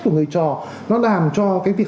của người trò nó làm cho cái việc